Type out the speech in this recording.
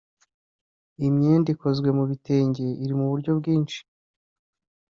Iyi myenda ikozwe mu bitenge iri mu buryo bwinshi